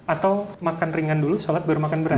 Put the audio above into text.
atau makan ringan dulu sholat baru makan berat